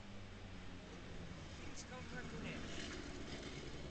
Fins que el reconeix.